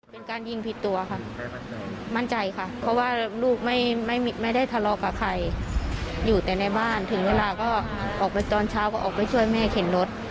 เป็นการยิงผิดตัวค่ะมั่นใจค่ะเพราะว่าลูกไม่ได้ทะเลาะกับใครอยู่แต่ในบ้านถึงเวลาก็ออกไปตอนเช้าก็ออกไปช่วยแม่เข็นรถ